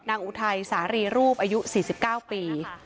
อุทัยสารีรูปอายุ๔๙ปี